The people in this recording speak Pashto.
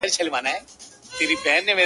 بس پښتونه چي لښکر سوې نو د بل سوې،